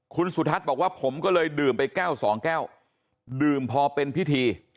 คุณสุทัศน์บอกว่าผมก็เลยดื่มไปแก้วสองแก้วดื่มพอเป็นพิธี